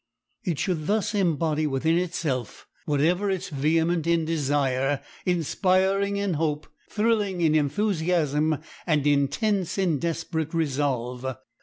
It should thus embody within itself whatever is vehement in desire, inspiring in hope, thrilling in enthusiasm, and intense in desperate resolve.